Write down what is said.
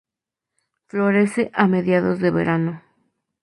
Florece a mediados de verano.